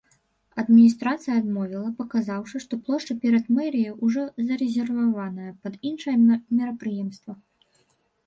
Адміністрацыя адмовіла, паказаўшы, што плошча перад мэрыяй ўжо зарэзерваваная пад іншае мерапрыемства.